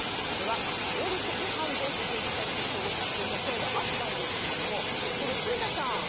これは法律違反ですといったネット上の声があったんですが住田さん